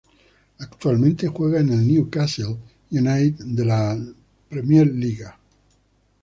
Actualmente juega en el Newcastle United de la Premier League.